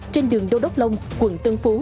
trên đường đô đốc long quận tân phú